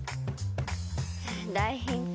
大ヒント。